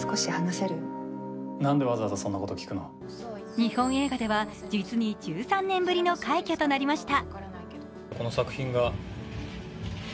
日本映画では実に１３年ぶりの快挙となりました。